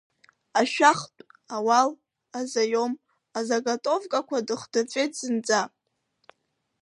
Ашәахтә, ауал, азаиом, азагатовкақәа дыхдырҵәеит зынӡа.